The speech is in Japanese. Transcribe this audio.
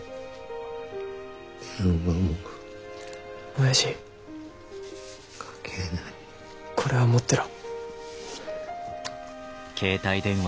おやじこれは持ってろ。